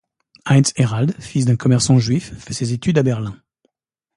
Heinz Herald, fils d'un commerçant juif, fait ses études à Berlin.